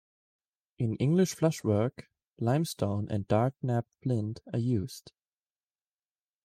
In English flushwork, limestone and dark knapped flint are used.